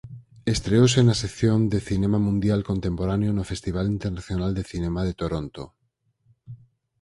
Estreouse na sección de Cinema Mundial Contemporáneo no Festival Internacional de Cinema de Toronto.